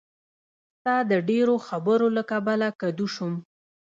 ستا د ډېرو خبرو له کبله کدو شوم.